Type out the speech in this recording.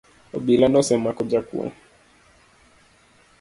Obila nosemako jakuo